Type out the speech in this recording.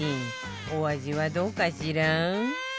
お味はどうかしら？